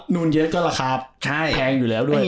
นูนเยอะก็ราคาแพงอยู่แล้วด้วย